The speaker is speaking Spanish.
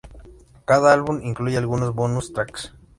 Cada álbum incluye algunos "bonus tracks".